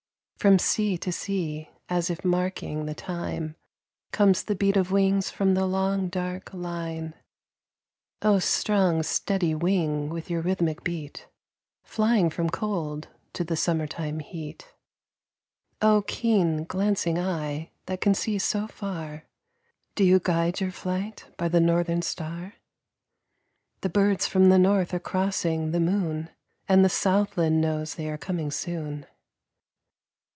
From sea to sea, as if marking the time, Comes the beat of wings from the long, dark line. O strong, steady wing, with your rhythmic beat, Flying from cold to the summertime heat; O, keen, glancing eye, that can see so far, Do you guide your flight by the northern star? The birds from the North are crossing the moon, And the southland knows they are coming soon.